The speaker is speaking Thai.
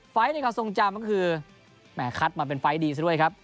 ในความทรงจำก็คือแหมคัดมาเป็นไฟล์ดีซะด้วยครับ